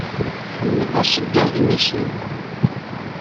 Tḥemmel aṣeyyed n iselman.